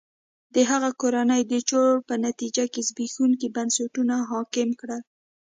د هغه کورنۍ د چور په نتیجه کې زبېښونکي بنسټونه حاکم کړل.